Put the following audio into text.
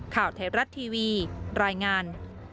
ข่าวไทยรัฐทีวีรายงาน